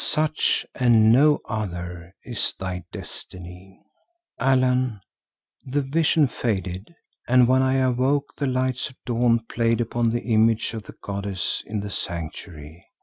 Such and no other is thy destiny.' "Allan, the vision faded and when I awoke the lights of dawn played upon the image of the goddess in the sanctuary.